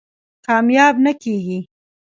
کامیاب نه کېږي.